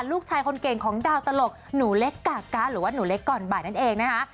ลูกชายคนเก่งของดาวตลกหนูเล็กกาก๊ะหรือว่าหนูเล็กก่อนบ่ายนั่นเองนะคะ